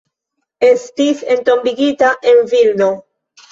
Estis entombigita en Vilno.